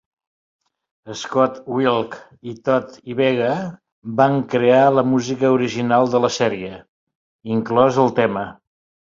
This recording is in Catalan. Scott Wilk i Todd Yvega van crear la música original de la sèrie, inclòs el tema.